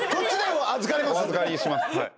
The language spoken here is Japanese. お預かりします